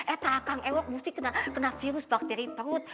eh takang ewok mesti kena virus bakteri perut